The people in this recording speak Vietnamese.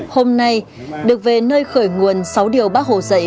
hôm nay được về nơi khởi nguồn sáu điều bác hồ dạy